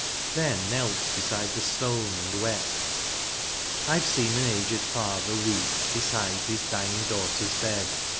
Then knelt beside the stone and wept. I've seen an aged father weep Beside his dying daughter's bed.